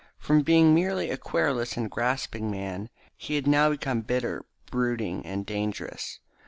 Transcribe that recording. From being merely a querulous and grasping man, he had now become bitter, brooding, and dangerous.